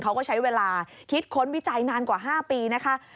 เขาก็ใช้เวลาคิดค้นวิจัยนานกว่า๕ปีนะคะ